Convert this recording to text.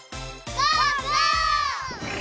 ゴー！